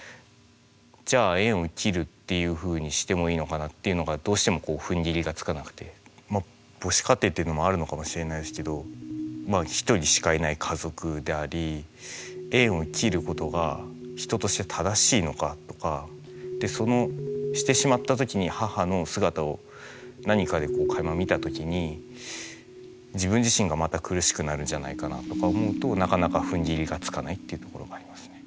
じゃあ縁を切るっていうふうにしてもいいのかなっていうのがどうしてもこうふんぎりがつかなくて母子家庭っていうのもあるのかもしれないですけど一人しかいない家族でありしてしまった時に母の姿を何かでかいま見た時に自分自身がまた苦しくなるんじゃないかなあとか思うとなかなかふんぎりがつかないっていうところがありますね。